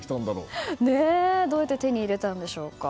どうやって手に入れたんでしょうか。